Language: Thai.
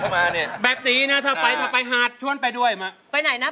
เมื่อกี้นี่เธอเล่นหมูเคิร์มกับเราเหรอ